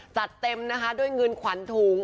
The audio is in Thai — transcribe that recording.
จัดเต็มนะคะด้วยเงินขวัญถุง